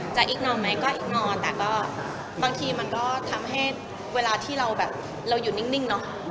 จะอิกนอมไหมก็อิกนอมแต่ก็บางทีมันก็ทำให้เวลาที่เราอยู่นิ่งเนาะ